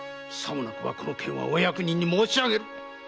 さもなくばこの件はお役人に申し上げる。